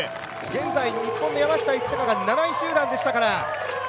現在、日本の山下一貴が７位集団でしたから。